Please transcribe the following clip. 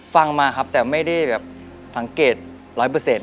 ฟังมาครับแต่ไม่ได้แบบสังเกตร้อยเปอร์เซ็นต